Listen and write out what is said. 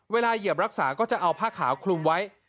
เหยียบรักษาก็จะเอาผ้าขาวคลุมไว้